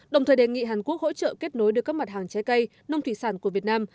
đồng thời đề nghị hàn quốc hỗ trợ kết nối được các mặt hàng trái cây nông thủy sản của việt nam